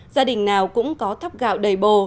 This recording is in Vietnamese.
gia đình nào cũng có thắp gạo đầy bồ